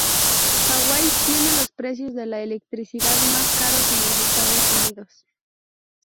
Hawái tiene los precios de la electricidad más caros en los Estados Unidos.